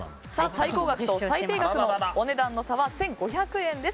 最高額と最低額のお値段の差は１５００円です。